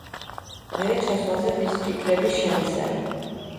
მერე ჩასვლაზე მის ფიქრები შენზე.